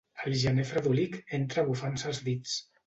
El gener fredolic entra bufant-se els dits.